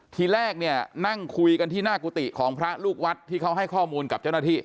ทีแรกเนี่ยนั่งคุยกันที่หน้ากุฏิของพระลูกวัดที่เขาให้ข้อมูลกับเจ้าหน้าที่